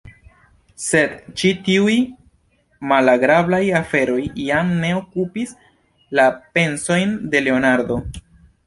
Sed ĉi tiuj malagrablaj aferoj jam ne okupis la pensojn de Leonardo.